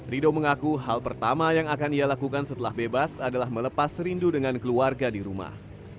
rido mengaku hal pertama yang akan ia lakukan setelah bebas adalah melepas rindu dengan keluarga di rumah